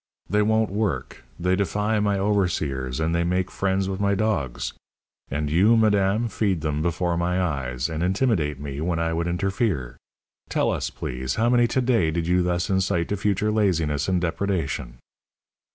They won't work; they defy my overseers, and they make friends with my dogs; and you, madame, feed them before my eyes, and intimidate me when I would interfere. Tell us, please, how many to day did you thus incite to future laziness and depredation?"